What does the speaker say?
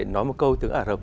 nói một câu tiếng ả rập